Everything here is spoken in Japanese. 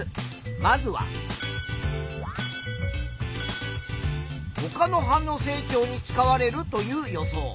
まずはほかの葉の成長に使われるという予想。